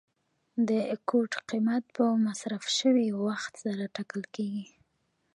د کوټ قیمت په مصرف شوي وخت سره ټاکل کیږي.